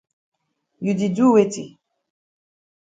You di do weti?